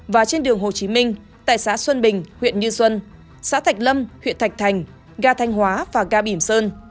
và trên đường hồ chí minh tại xã xuân bình huyện như xuân xã thạch lâm huyện thạch thành ga thanh hóa và ga bỉm sơn